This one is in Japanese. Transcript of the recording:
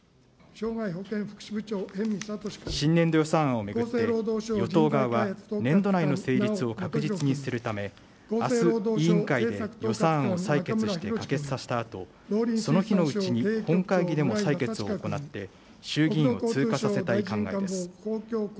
新年度予算案を巡って、与党側は、年度内の成立を確実にするため、あす、委員会で予算案を採決して可決させたあと、その日のうちに本会議でも採決を行って、衆議院を通過させたい考えです。